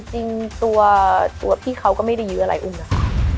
จริงตัวพี่เขาก็ไม่ได้ยื้ออะไรอุ้มนะคะ